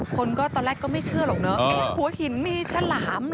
คนก็ตอนแรกก็ไม่เชื่อหรอกเนอะหัวหินมีฉลามเหรอ